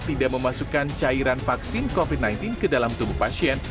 tidak memasukkan cairan vaksin covid sembilan belas ke dalam tubuh pasien